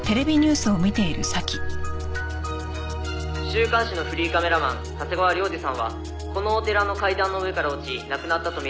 「週刊誌のフリーカメラマン長谷川亮二さんはこのお寺の階段の上から落ち亡くなったと見られています」